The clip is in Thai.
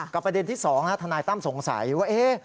ประเด็นที่๒ทนายตั้มสงสัยว่า